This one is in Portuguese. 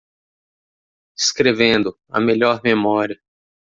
Escrevendo, a melhor memória.